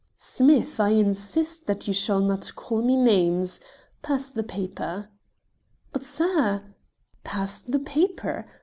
"Smith, I insist that you shall not call me names. Pass the paper." "But, sir " "Pass the paper.